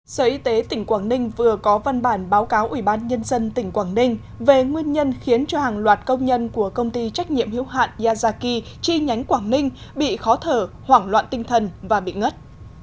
sở y tế tỉnh quảng ninh vừa có văn bản báo cáo ủy ban nhân dân tỉnh quảng ninh về nguyên nhân khiến cho hàng loạt công nhân của công ty trách nhiệm hiếu hạn yazaki chi nhánh quảng ninh bị khó thở hoảng loạn tinh thần và bị ngất